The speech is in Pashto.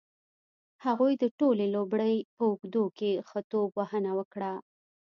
هغوی د ټولې لوبلړۍ په اوږدو کې ښه توپ وهنه وکړه.